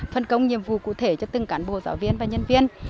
phân công nhiệm vụ cụ thể cho từng cán bộ giáo viên và nhân viên